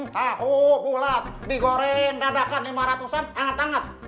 tahu ulat digoreng dadakan lima ratus an hangat hangat